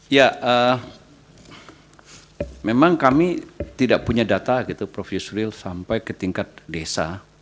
ya memang kami tidak punya data gitu prof yusril sampai ke tingkat desa